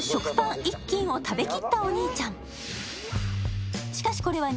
１斤を食べきったお兄ちゃん